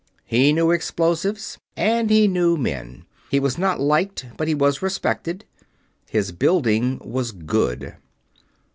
He knew explosives, and he knew men. He was not liked, but he was respected. His building was good.